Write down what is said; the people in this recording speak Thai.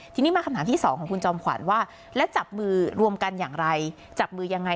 ทีนี้มาคำถามที่สองของคุณจอมขวัญว่าแล้วจับมือรวมกันอย่างไรจับมือยังไง